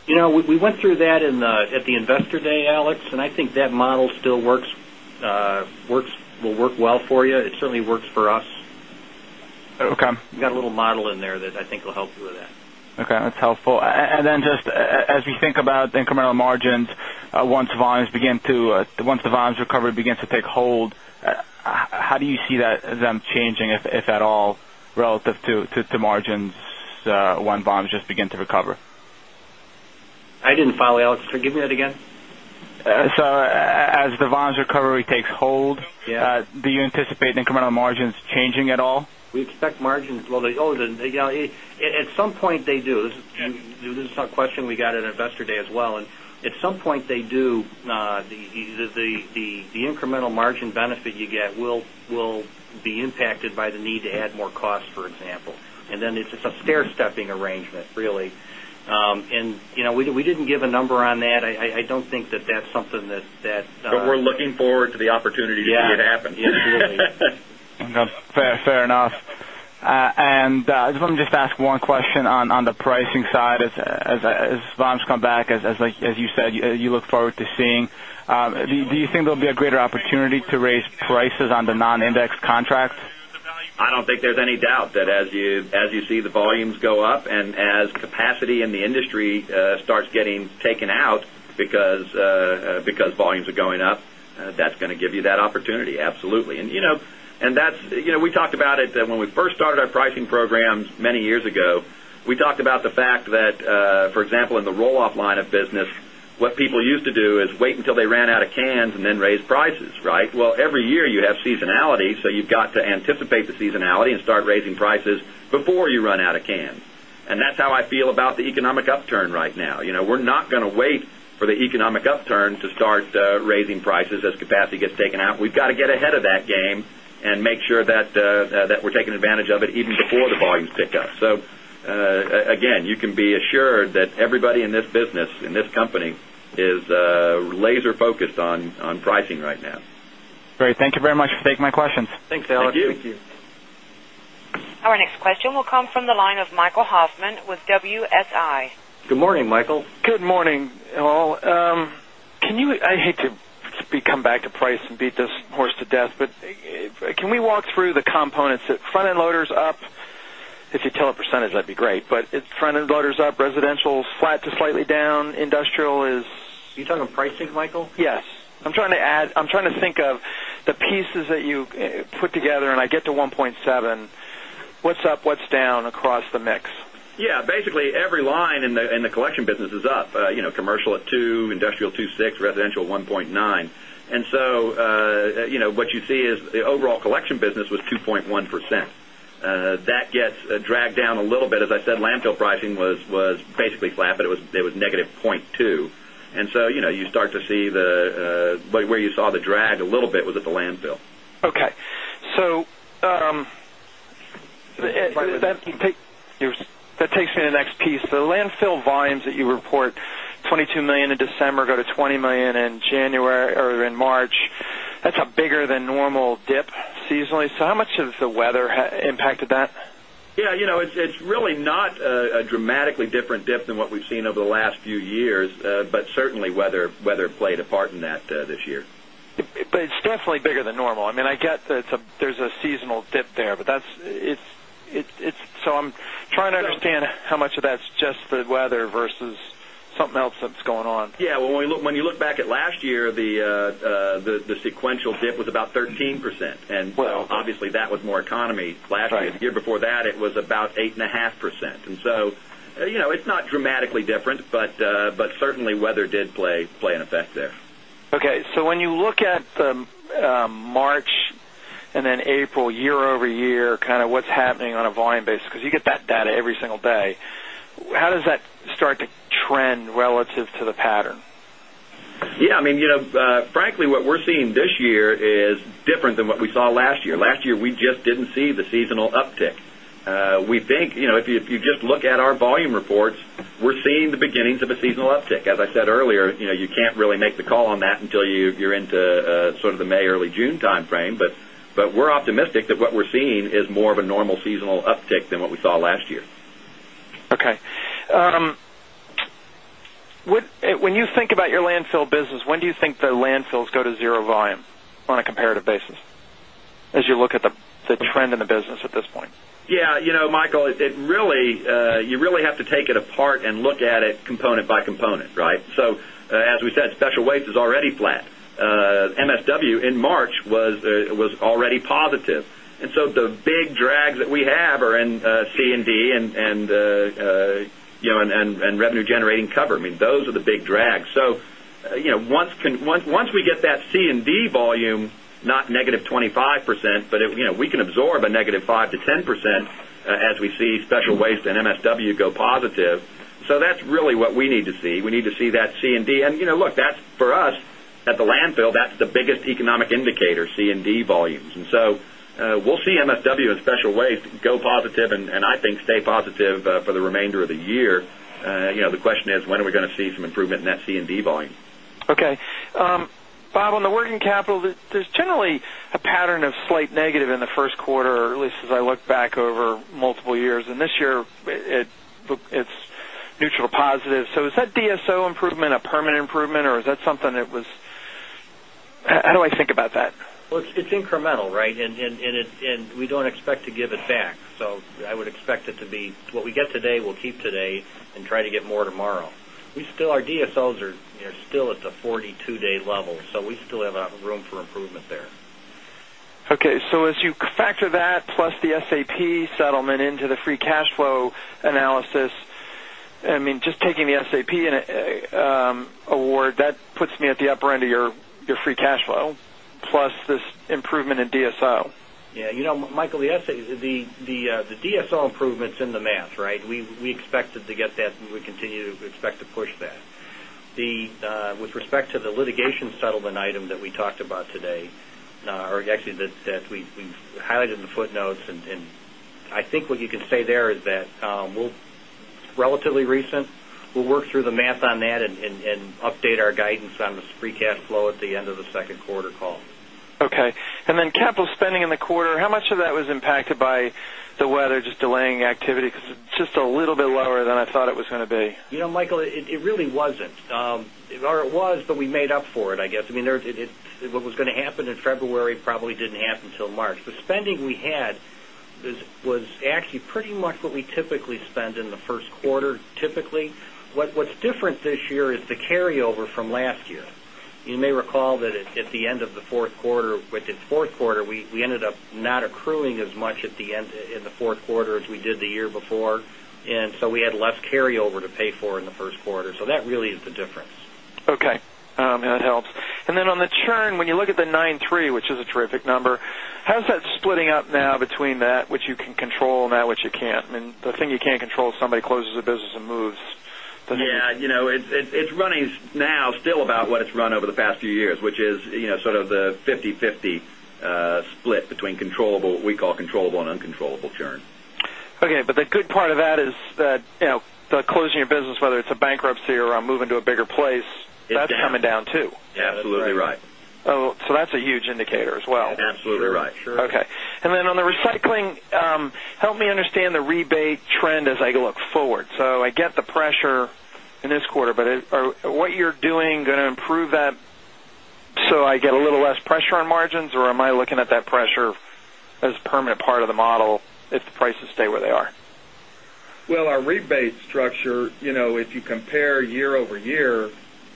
We went through that in the at the Investor Day Alex and I think that model still works will work well for you. It certainly works for us. Okay. We've got a little model in there that I think will help you with that. Okay. That's helpful. And then just as we think about the incremental margins, once volumes begin to once the volumes recovery begins to take hold, how do you see that them changing if at all relative to margins when volumes just begin to recover? I didn't follow Alex, forgive me that again. So as the volumes recovery takes hold, do you anticipate incremental margins changing at all? We expect margins well, at some point they do and this is a question we got at Investor Day as well. And at some point they do the incremental margin benefit you get will be impacted by the need to add more costs, for example. And then it's a stair stepping arrangement really. And we didn't give a number on that. I don't think that that's something that But we're looking forward to the opportunity to see it happen. Yes, absolutely. Fair enough. Fair enough. And I just want to just ask one question on the pricing side as volumes come back as you said, you look forward to seeing. Do you think there'll be a greater opportunity to raise prices on the non capacity in the industry starts getting taken out because volumes are going up, that's going to give you that opportunity, absolutely. And that's we talked about it that when we first started our pricing programs many years ago, we talked about the fact that, for example, in the roll off line of business, can. And that prices before you run out of can. And that's how I feel about the economic upturn right now. We're not going to wait for the economic upturn to start raising prices as capacity gets taken out. We've got to get ahead of that game and make sure that we're taking advantage of it even before the volumes pick up. So again, you can be assured that everybody in this business, in this company is laser focused on pricing right now. Great. Thank you very much for taking my questions. Thanks, Alex. Thank you. Our next question will come from the line of Michael Hoffman with WSI. Good morning, Michael. Good morning, all. Can you I hate to come back to price and beat this horse to death, but can we walk through the components that front end loader is up, if you tell a percentage that would be great, but front end loader is up, residential is flat to slightly down, industrial is Are you talking pricing, Michael? Yes. To add I'm trying to think of the pieces that you put together and I get to 1.7, what's up, what's down across the mix? Yes, basically every line in the collection business is up, commercial at 2%, industrial 2.6%, residential 1.9%. And so what you see is the overall collection business was 2.1%. That gets dragged down a little bit. As I said, landfill pricing was basically flat, but it was negative 0.2%. And so you start to see the where you saw the drag a little bit was at the landfill. Okay. So that takes me to the next piece. The landfill volumes that you report, 20 2,000,000 in December go to $20,000,000 in January or in March, that's a bigger than normal dip seasonally. So how much of the weather impacted that? Yes, it's really not a dramatically different dip than what we've seen over the last few years, but certainly weather played a part in that this year. But it's definitely bigger than normal. I mean, I get that there's a seasonal dip there, but that's it's so I'm trying to understand how much of that's just the weather versus something else dip was about 13%. And obviously, that was more economy. Last year, the sequential dip was about 13% and obviously that was more economy last year. The year before that it was about 8.5%. And so it's not dramatically different, but certainly weather did play an effect there. Okay. So when you look at March and then April year over year kind of what's happening on a volume basis because you get that data every single day. How does that start to trend relative to the pattern? Yes. I mean, frankly, what we're seeing this year is different than what we saw last year. Last year, we just didn't see the seasonal uptick. We think if you just look at our volume reports, we're seeing the beginnings of a seasonal uptick. As I said earlier, you can't really make the call on that until you're into sort of the May, early June timeframe. But we're optimistic that what we're seeing is more of a normal seasonal uptick than what we saw last year. When you think about your landfill business, when do you think the landfills go to 0 volume on a comparative basis as you look at the trend in the business at this point? Yes. Michael, it really you really have to take it apart and look at it component by component, right? So as we said, special weights is already flat. MSW in March was already positive. And so the big drags that we have are in C and D and revenue generating cover. I mean those are the big drags. So once we get that C and D volume, not negative 25%, but we can absorb a negative 5% to 10% as we the landfill, that's the biggest economic indicator C and D volumes. And so, the landfill, that's the biggest economic indicator, C and D volumes. And so we'll see MSW in special waste go positive and I think stay positive for the remainder of the year. The question is, when are we going to see some improvement in that C and D volume? Okay. Bob, on the working capital, there's generally a pattern of slight negative in the Q1, at least as I look back over multiple years. And this year, it's neutral to positive. So is that DSO improvement a permanent improvement or is that something that was how do I think about that? Well, it's incremental, right? And we don't expect to give it back. So I would expect it to be what we get today, we'll keep today and try to get more tomorrow. We still our DSOs are still at the 42 day level. So we still have a room for improvement there. Okay. So as you factor that plus the SAP settlement into the free cash flow analysis, I mean just taking the SAP award, that puts me at the upper end of your free cash flow plus this improvement in DSO. Yes. Michael, the DSO improvements in the math, right? We expected to get that and we continue to expect to push that. With respect to the litigation settlement item that we talked about today or actually that we've highlighted in the footnotes and I think what you can say there is that, we'll relatively recent. We'll work through the math on that and update our guidance on second quarter call. Okay. And then capital spending in the quarter, how much of that was impacted by the weather just delaying activity because it's just a little bit lower than I thought it was going to be? Michael, it really wasn't. There was, but we made up for it, I guess. I mean, there's what was going to happen in February probably didn't happen until March. The spending we had was actually pretty much what we typically spend in the Q1 typically. What's different this year is the carryover from last year. You may recall that at the end of the Q4, with its Q4, we ended up not accruing as much at the end in the Q4 as we did the year before. And so we had less carryover to pay for in the first quarter. So that really is the difference. Okay. That helps. And then on the churn, when you look at the 9.3%, which is a terrific number, how is that splitting up now between that which you can control and that which you can't? I mean, the thing you can't control is somebody closes a business and moves the about what it's run over the past few years, which is sort of the fifty-fifty split between controllable what we call controllable and uncontrollable churn. Okay. But the good part of that is that the closing of your business whether it's a bankruptcy or moving to a bigger place, that's coming down too? Yes, absolutely right. So that's a huge indicator as well? Absolutely right, sure. Okay. And then on the recycling, help me understand the rebate trend as I look forward. So I get the pressure in this quarter, but what you're doing going to improve that so I get a little less pressure on margins or am I looking at that pressure as a permanent part of the model if the prices stay where they are? Well, our rebate structure, if you compare year over year,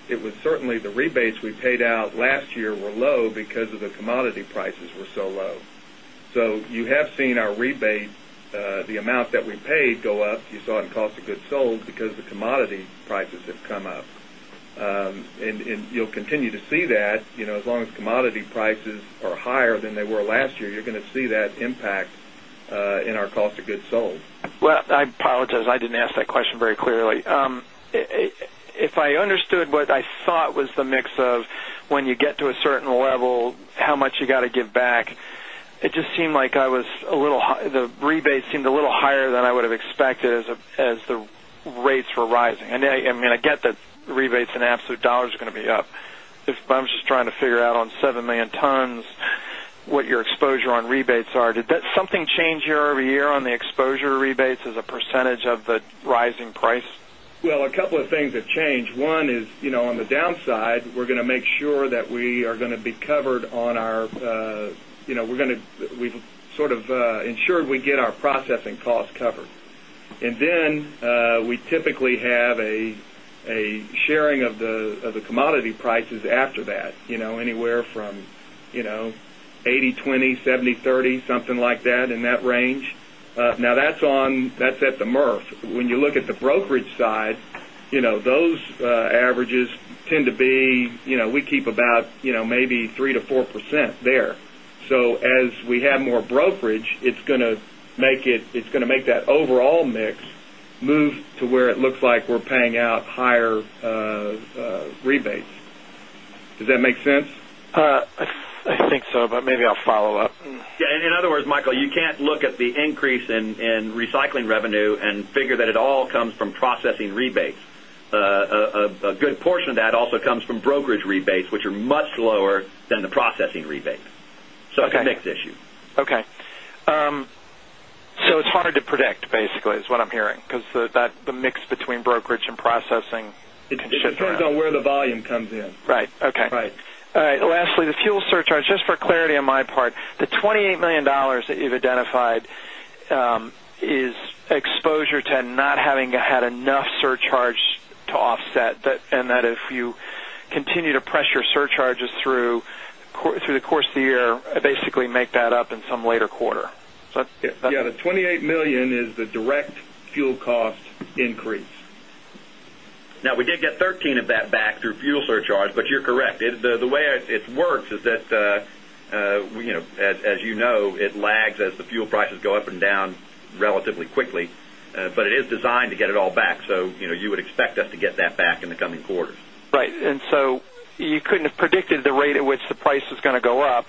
it was certainly the rebates we paid out last year were low because of the commodity prices were so low. So you have seen our rebate, the amount that we paid go up, you saw in cost of goods sold because the commodity prices have come up. And you'll continue to see that as long as commodity prices are higher than they were last year, you're going to see that impact in our cost of goods sold. Well, I apologize. I didn't ask that question very clearly. If I understood what I thought was the mix of when you get to a certain level, how much you got to give back, it just seemed like the rebate seemed a little higher than I would have expected as the rates were rising. I mean, I get that rebates in absolute dollars are going to be up. I'm just trying to figure out on 7,000,000 tonnes, what your exposure on rebates are. Did that something change year over year on the exposure rebates as a percentage of the rising price? Well, a couple of things have changed. One is, on the downside, we're going to make sure that we are going to be covered on our we're going to we've sort of ensured we get our processing costs covered. And then we typically have a sharing of the commodity prices after that, anywhere from eightytwenty, seventy 30 something like that in that range. Now that's on that's at the MRF. When you look at the brokerage side, those averages tend to be we keep about maybe 3% to 4% there. So as have more brokerage, it's going to make it it's going to make that overall mix move to where it looks like we're paying out higher rebates. Does that make sense? I think so, but maybe I'll follow-up. Yes. In other words, Michael, you can't look at the increase in recycling revenue and figure that it all comes from processing processing rebates. A good portion of that also comes from brokerage rebates, which are much lower than the processing rebate. So it's a mix issue. Okay. So it's hard to predict basically is what I'm hearing, because the mix between brokerage and processing conditions. It depends on where the volume comes in. Right, okay. Lastly, the fuel surcharge, just for clarity on my part, the $28,000,000 that you've identified is exposure to not having had enough surcharge offset and that if you continue to press your surcharges through the course of the year, basically make that up in some later quarter. Yes, the $28,000,000 is the direct fuel cost increase. Now we did get $13,000,000 of that back through fuel surcharge, but you're correct. The way it works is that, as you know, it lags as the fuel prices go up and down relatively quickly, but it is designed to get it all back. So you would expect us to get that back in the coming quarters. Right. And so you couldn't have predicted the rate at which the price is going to go up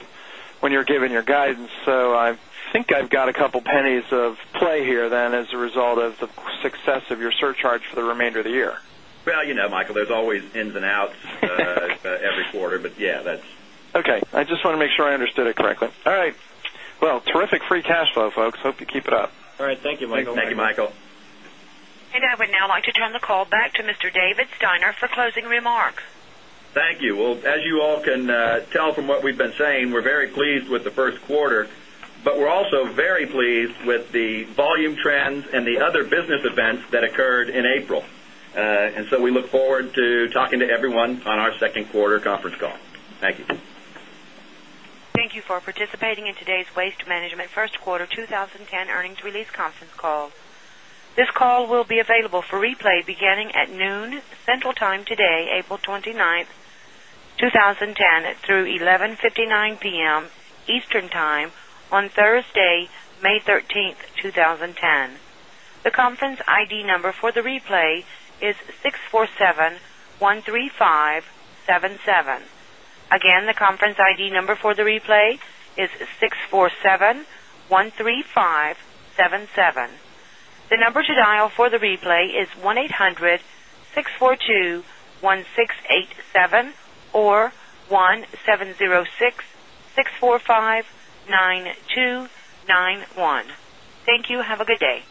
when you're giving your guidance. So I think I've is going to go up when you're giving your guidance. So I think I've got a couple of pennies of play here then as a result of the success of your surcharge for the remainder of the year? Well, Michael, there's always ins and outs every quarter, but yes, that's Okay. I just want to make sure I understood it correctly. All right. Well, terrific free cash flow folks. Hope you keep it up. All right. Thank you, Michael. Thank you, Michael. And I would now like to turn the call back to Mr. David Steiner for closing remarks. Thank you. Well, as you all can tell from what we've been saying, we're very pleased with the Q1, but we're also very pleased the volume trends and the other business events that occurred in April. And so we look forward to talking to everyone on our 2nd quarter conference call. Thank you. Thank you for participating in today's Waste Management First Quarter 20 10 Earnings Release Conference Call. This will be available for replay beginning at noon Central Time today, April 29, 2010 through 11 59 pm Eastern Time on Thursday, May 13, 2010. The conference ID number for the replay is 6,471,137. Again, the conference ID number for the replay is 6,407,137. The 577. The number to dial for the replay is 1-eight hundred-six forty two-six 87 or 1-seven zero six-six forty five-nine thousand two hundred and ninety one. Thank you. Have a good day.